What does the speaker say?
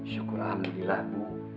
syukur alhamdulillah bu